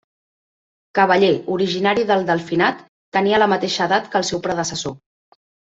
Cavaller, originari del Delfinat, tenia la mateixa edat que el seu predecessor.